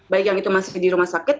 baik yang itu masih di rumah sakit